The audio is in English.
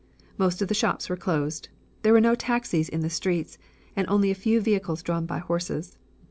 Most of the shops were closed. There were no taxis in the streets, and only a few vehicles drawn by horses.